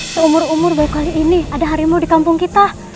seumur umur baru kali ini ada harimau di kampung kita